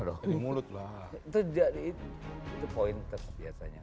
itu poin tersebiasanya